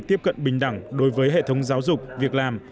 tiếp cận bình đẳng đối với hệ thống giáo dục việc làm